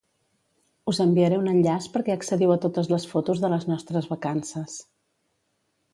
Us enviaré un enllaç perquè accediu a totes les fotos de les nostres vacances.